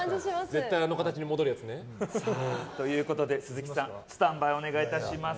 絶対にあの形に戻るやつね。ということで鈴木さんスタンバイをお願いいたします。